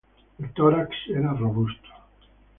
El tórax era robusto.